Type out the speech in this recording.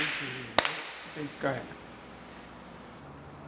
１回。